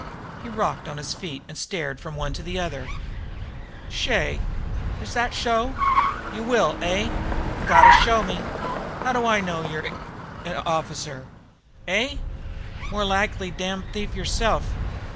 He rocked on his feet and stared from one to the other. "Shay, is that'sh so! You will eh? Gotta show me. How do I know you're hic officer? Eh? More likely damned thief yourself!